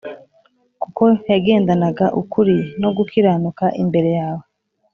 kuko yagendanaga ukuri no gukiranuka imbere yawe,